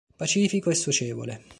Pacifico e socievole.